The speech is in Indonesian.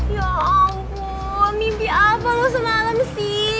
ya ampun mimpi apa lo semalam sil